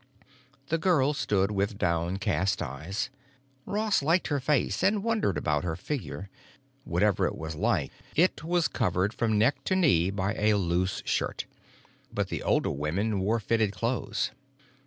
The girl stood with downcast eyes. Ross liked her face and wondered about her figure. Whatever it was like, it was covered from neck to knee by a loose shirt. But the older women wore fitted clothes.